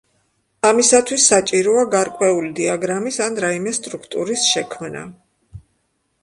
ამისათვის საჭიროა გარკვეული დიაგრამის, ან რაიმე სტრუქტურის შექმნა.